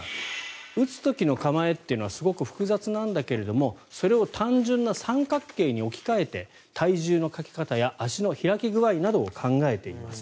打つ時の構えというのはすごく複雑なんだけれどもそれを単純な三角形に置き換えて体重のかけ方や足の開き具合などを考えています。